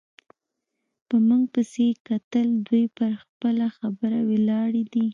په موږ پسې یې کتل، دوی پر خپله خبره ولاړې دي.